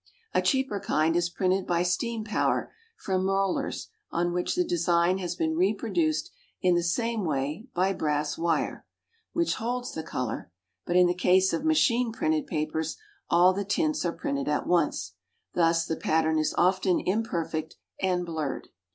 A cheaper kind is printed by steam power from rollers on which the design has been reproduced in the same way by brass wire, which holds the colour; but in the case of machine printed papers all the tints are printed at once. Thus the pattern is often imperfect and blurred.